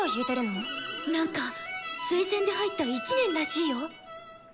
なんか推薦で入った１年らしいよ。